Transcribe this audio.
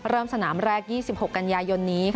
เริ่มสนามแรก๒๖กันยายนนี้